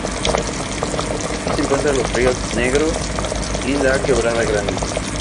Aquí se encuentran los ríos Negro y la Quebrada Grande.